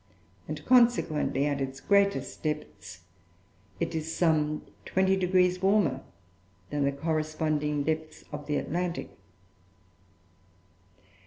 and consequently, at its greatest depths, it is some 20° warmer than the corresponding depths of the Atlantic.